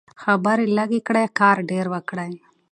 خبرې لږې کړئ کار ډېر کړئ.